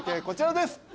こちらです